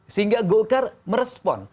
sehingga golkar merespon